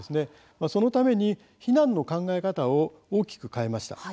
そのために避難の考え方を大きく変えました。